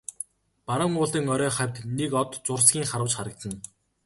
Баруун уулын орой хавьд нэг од зурсхийн харваж харагдана.